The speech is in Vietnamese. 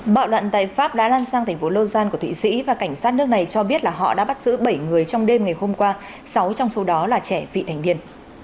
bạo loạn tại pháp đã lan sang thành phố logal của thụy sĩ và cảnh sát nước này cho biết là họ đã bắt giữ bảy người trong đêm ngày hôm qua sáu trong số đó là trẻ vị thành niên